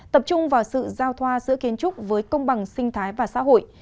tập trung vào sự giao thoa giữa kiến trúc với công bằng sinh thái và xã hội